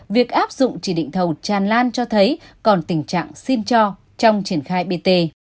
việc áp dụng chỉ định thầu tràn lan cho thấy còn tình trạng xin cho trong triển khai bt